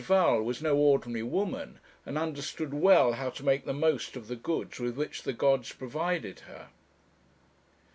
Val was no ordinary woman, and understood well how to make the most of the goods with which the gods provided her.